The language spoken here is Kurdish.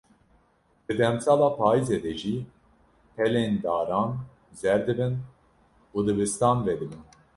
Di demsala payîzê de jî, pelên daran zer dibin û dibistan vedibin.